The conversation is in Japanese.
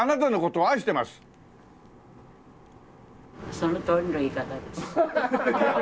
そのとおりの言い方です。